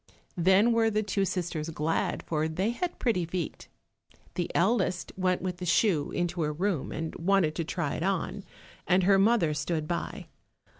Then were the two sisters glad, for they had pretty feet. The eldest went with the shoe into her room and wanted to try it on, and her mother stood by.